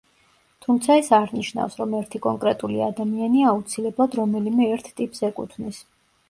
თუმცა ეს არ ნიშნავს, რომ ერთი კონკრეტული ადამიანი აუცილებლად რომელიმე ერთ ტიპს ეკუთვნის.